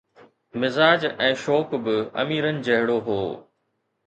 ، مزاج ۽ شوق به اميرن جهڙو هو.